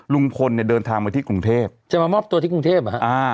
ลุงพลเนี่ยเดินทางมาที่กรุงเทพจะมามอบตัวที่กรุงเทพเหรอฮะอ่า